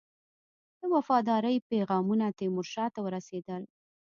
د وفاداری پیغامونه تیمورشاه ته ورسېدل.